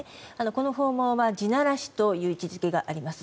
この訪問は地ならしという位置づけがあります。